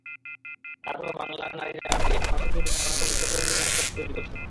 তারপরও বাংলার নারীরা বেত, বাঁশের তৈরি রকমারি নিত্যপ্রয়োজনীয় আসবাব তৈরি করছেন।